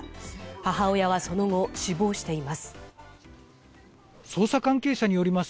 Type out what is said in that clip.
母親はその後、死亡しています。